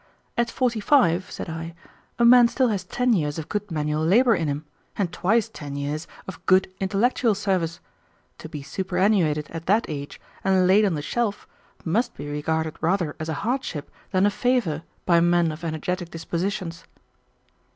"At forty five," said I, "a man still has ten years of good manual labor in him, and twice ten years of good intellectual service. To be superannuated at that age and laid on the shelf must be regarded rather as a hardship than a favor by men of energetic dispositions."